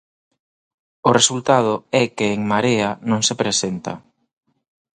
O resultado é que En Marea non se presenta.